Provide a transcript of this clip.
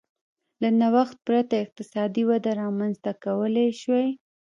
له نوښت پرته اقتصادي وده رامنځته کولای شوای